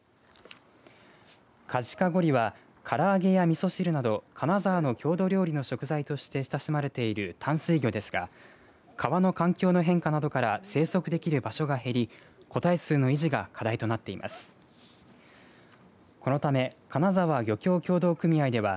カジカゴリはから揚げやみそ汁など金沢の郷土料理の食材として親しまれている淡水魚ですが川の環境の変化などから生息できる場所が減り個体数の維持が課題となっています。